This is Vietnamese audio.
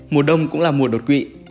mùa đông cũng là mùa đột quỵ